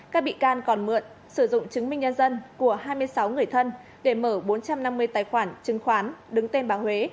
các bị can còn mượn sử dụng chứng minh nhân dân của hai mươi sáu người thân để mở bốn trăm năm mươi tài khoản chứng khoán đứng tên báo huế